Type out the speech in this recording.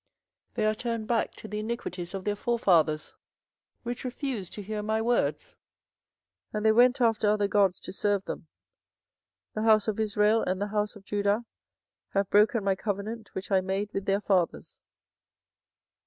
24:011:010 They are turned back to the iniquities of their forefathers, which refused to hear my words; and they went after other gods to serve them: the house of Israel and the house of Judah have broken my covenant which I made with their fathers.